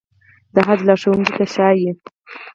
د حج لارښوونکو ته ښايي.